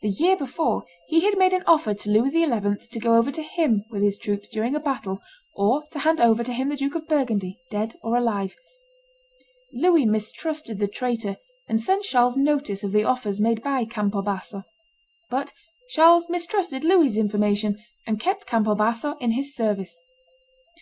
The year before, he had made an offer to Louis XI. to go over to him with his troops during a battle, or to hand over to him the Duke of Burgundy, dead or alive. Louis mistrusted the traitor, and sent Charles notice of the offers made by Campo Basso. But Charles mistrusted Louis's information, and kept Campo Basso in his service.